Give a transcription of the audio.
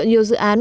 nhiều dự án